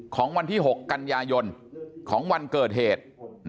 ของวันที่๖กันยายนของวันเกิดเหตุ